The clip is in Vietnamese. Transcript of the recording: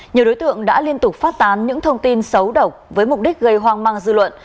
nhiều đối tượng đã liên tục phát tán những thông tin xấu độc với mục đích gây hoang mang dư luận